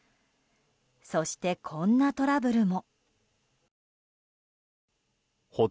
そして、こんなトラブルも。